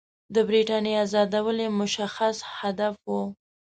د برټانیې آزادول یې مشخص هدف وو.